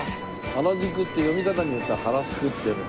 原宿って読み方によっては「はらすく」って読める。